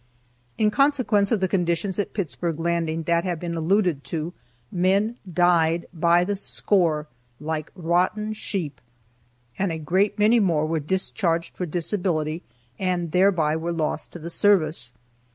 In consequence of the conditions at Pittsburg Landing that have been alluded to, men died by the score like rotten sheep. And a great many more were discharged for disability and thereby were lost to the service.